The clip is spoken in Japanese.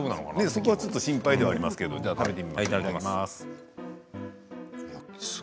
そこが心配ではありますけど、いただきます。